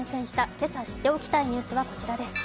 今朝知っておきたいニュースはこちらです。